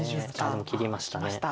でも切りました。